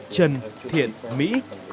trần thiện mỹ